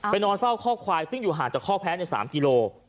นอนเฝ้าข้อควายซึ่งอยู่ห่างจากข้อแพ้ใน๓กิโล